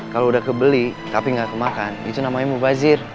kalau udah kebeli tapi gak kemakan itu namanya mau wazir